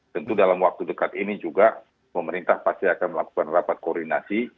tentu dalam waktu dekat ini juga pemerintah pasti akan melakukan rapat koordinasi